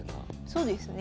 そうですね。